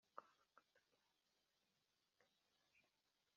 agomba kugura ibindi bikoresho